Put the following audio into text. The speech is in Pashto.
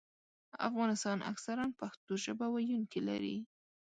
افغانستان اکثراً پښتو ژبه ویونکي لري.